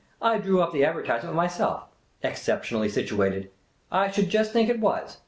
" I drew up the advertisement myself. Exceptionally situated ! I should just think it was !